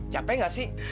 capek gak sih